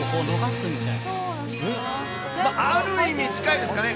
ある意味、近いですかね。